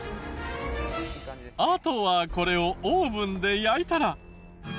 あとはこれをオーブンで焼いたら。